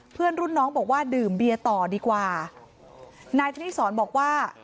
เพื่อนรุ่นน้องบอกว่าดื่มเบียร์ต่อดีกว่านายธนิสรบอกว่า